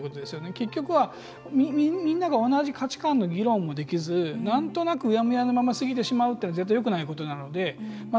結局は、みんなが同じ価値観の議論ができずなんとなくうやむやのまま過ぎてしまうのは絶対よくないことなので。